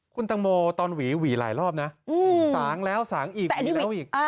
คุณตังโมตอนหวีหวีหลายรอบนะสางแล้วสางอีกหวีแล้วอีก